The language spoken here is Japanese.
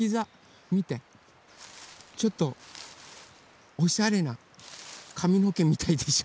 ちょっとおしゃれなかみのけみたいでしょ。